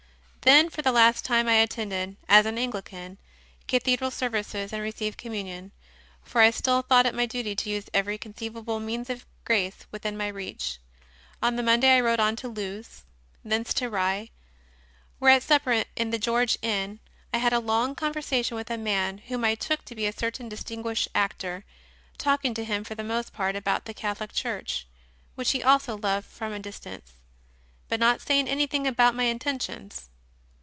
Then for the last time I attended, as an Anglican, cathedral services and received Communion; for I still thought it my duty to use every conceivable means of grace within my reach. On the Monday I rode on to Lewes, thence to Rye, where, at sup CONFESSIONS OF A CONVERT 125 per in the "George Inn," I had a long conversation with a man whom I took to be a certain distinguished actor, talking to him for the most part about the Catholic Church, which he also loved from a dis tance, but not saying anything about my intentions.